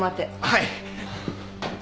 はい。